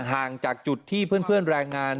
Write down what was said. ห่างจากจุดที่เพื่อนแรงงาน